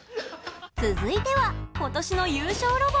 続いては今年の優勝ロボ。